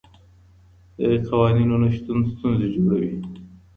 د قوانينو نشتون ستونزې جوړوي.